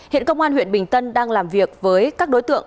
hiện công an huyện bình tân đang làm việc với các đối tượng